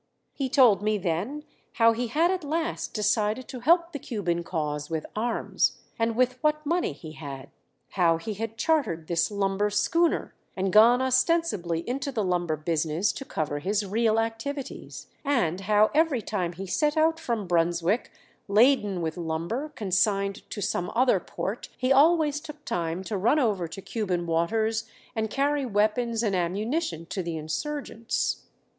He told me then how he had at last decided to help the Cuban cause with arms, and with what money he had; how he had chartered this lumber schooner and gone ostensibly into the lumber business to cover his real activities; and how every time he set out from Brunswick laden with lumber consigned to some other port he always took time to run over to Cuban waters, and carry weapons and ammunition to the insurgents.